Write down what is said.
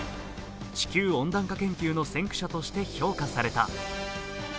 地球温暖化研究の先駆者として評価された。